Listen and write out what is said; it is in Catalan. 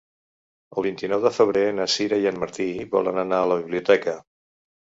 El vint-i-nou de febrer na Sira i en Martí volen anar a la biblioteca.